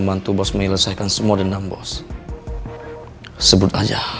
tunggu perintah saya selanjutnya